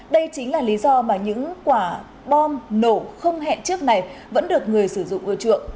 đây chính là lý do mà những quả bom nổ không hẹn trước này vẫn được người sử dụng ưa chuộng